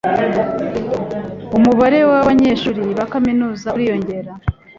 Umubare wabanyeshuri ba kaminuza uriyongera.